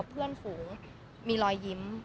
เพื่อนฝูงมีรอยยิ้ม